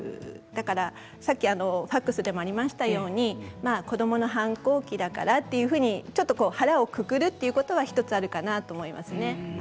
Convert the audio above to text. だから、さっきファックスでもありましたように子どもの反抗期だからというように腹をくくるということは１つあるかなと思いますね。